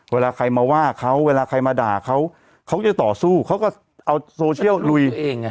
เวลาใครมาว่าเขาเวลาใครมาด่าเขาเขาจะต่อสู้เขาก็เอาโซเชียลลุย